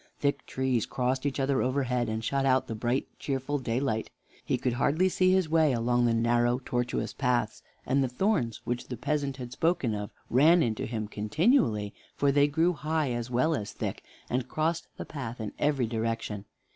Thick trees crossed each other overhead, and shut out the bright, cheerful daylight. He could hardly see his way along the narrow, tortuous paths, and the thorns which the peasant had spoken of ran into him continually, for they grew high as well as thick, and crossed the path in every direction.